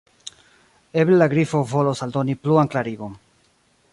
Eble la Grifo volos aldoni pluan klarigon."